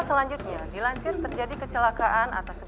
eh sampai ke belakang